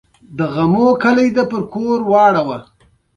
د يوه شي حقيقت درک کول او په هغه پوهيدلو ته علم وایي